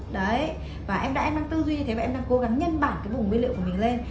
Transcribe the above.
đấy và em đã em đang tư duy như thế và em đang cố gắng nhân bản cái vùng nguyên liệu của mình lên